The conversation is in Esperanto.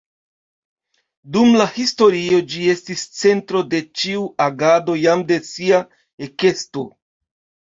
Dum la historio ĝi estis centro de ĉiu agado jam de sia ekesto.